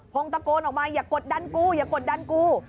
ตะโกนออกมาอย่ากดดันกูอย่ากดดันกู